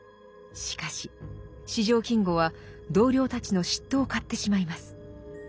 しかし四条金吾は同僚たちの嫉妬を買ってしまいます。